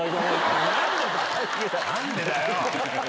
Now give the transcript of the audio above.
何でだよ